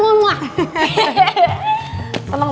aigoo michelle mau kasih banget